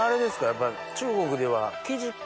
やっぱり中国では生地。